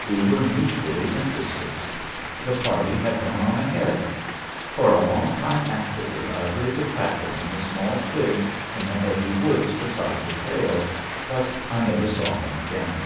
We were mutually interested. The party had gone on ahead. For a long time afterward I heard the crackling of small twigs in the heavy woods beside the trail. But I never saw him again.